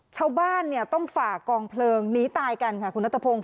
ชาวบ้านต้องฝากกองเพลิงหนีตายกันค่ะคุณระตบพงษ์